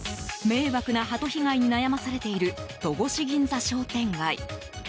迷惑なハト被害に悩まされている戸越銀座商店街。